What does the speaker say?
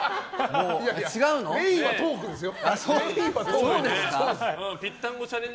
メインはトークですよ！